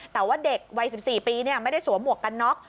แต่ว่าเด็กวัย๑๔ปีไม่ได้สวมหมวกกันน็อก